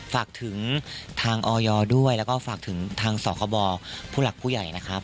ฝากถึงทางออยด้วยแล้วก็ฝากถึงทางสคบผู้หลักผู้ใหญ่นะครับ